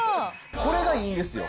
これがいいんですよ。